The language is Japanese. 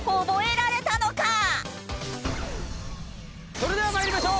それでは参りましょう。